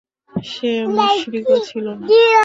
সে মুশরিকও ছিল না।